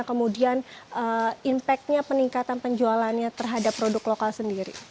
kemudian impact nya peningkatan penjualannya terhadap produk lokal sendiri